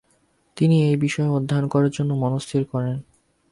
তিনি এই বিষয়ে অধ্যয়ন করার জন্য মনস্থির করেন।